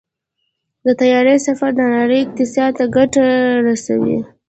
د طیارې سفر د نړۍ اقتصاد ته ګټه رسوي.